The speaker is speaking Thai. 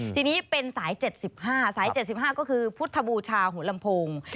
ทีนี้เป็นสาย๗๕สาย๗๕ก็คือพุทธบูชาหัวลำโพง